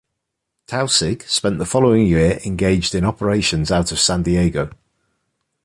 "Taussig" spent the following year engaged in operations out of San Diego.